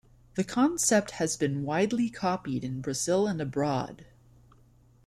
The concept has been widely copied in Brazil and abroad.